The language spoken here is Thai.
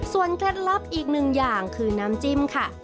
เคล็ดลับอีกหนึ่งอย่างคือน้ำจิ้มค่ะ